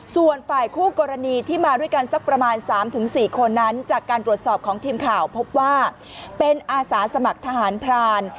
ส่วนฝ่ายคู่กรณีที่มาด้วยกันสักประมาณ๓๔คนนั้นจากการตรวจสอบของทีมข่าวพบว่าเป็นอาสาสมัครทหารพราน